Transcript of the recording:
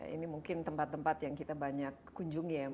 ini mungkin tempat tempat yang kita banyak kunjungi ya